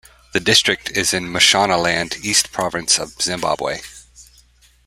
The district is in Mashonaland East province of Zimbabwe.